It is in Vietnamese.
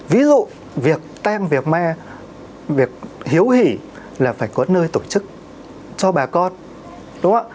ví dụ việc tem việc ma việc hiếu hỉ là phải có nơi tổ chức cho bà con đúng không ạ